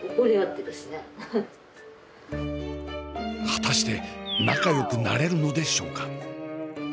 果たして仲よくなれるのでしょうか？